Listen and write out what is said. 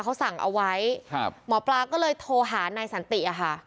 เขาสั่งเอาไว้ครับหมอปลาก็เลยโทรหานายสันติอะค่ะ